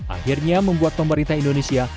akhirnya membuat pemerintah indonesia